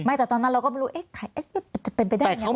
ไม่แต่ตอนนั้นเราก็ไม่รู้จะเป็นไปได้ไง